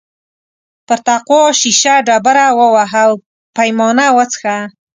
پر تقوا شیشه ډبره ووهه او پیمانه وڅښه.